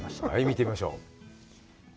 見てみましょう。